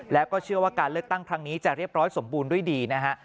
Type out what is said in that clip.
แล้วก็เชื่อว่าการเลือกตั้งครั้งนี้จะเรียบร้อยสมบูรณ์ด้วยดีนะฮะ